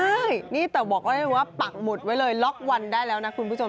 ใช่นี่แต่บอกไว้เลยว่าปักหมุดไว้เลยล็อกวันได้แล้วนะคุณผู้ชม